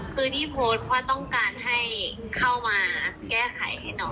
คือที่โพสต์เพราะต้องการให้เข้ามาแก้ไขให้น้อง